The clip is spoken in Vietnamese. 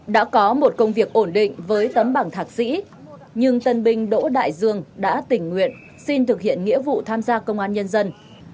đã có một công việc ổn định với tấm bằng thạc sĩ nhưng tân binh đỗ đại dương đã tình nguyện xin thực hiện nghĩa vụ tham gia công an nhân dân